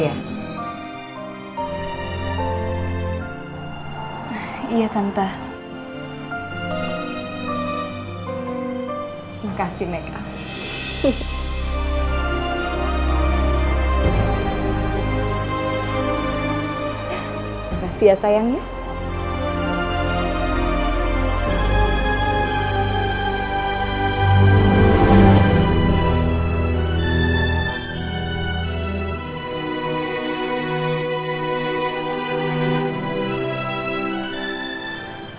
lu jest minta kalo om mw gk tolong percetit si sampe itu